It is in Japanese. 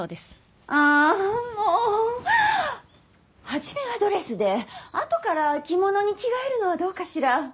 初めはドレスで後から着物に着替えるのはどうかしら？